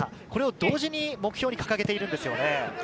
これを同時に目標に掲げているんですよね。